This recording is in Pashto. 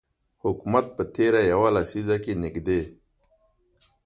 حکومت په تیره یوه لسیزه کې نږدې